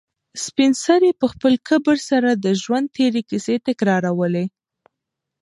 سپین سرې په خپل کبر سره د ژوند تېرې کیسې تکرارولې.